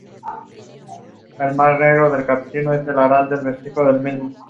Otro de sus temas favoritos es el papel del arte en la vida.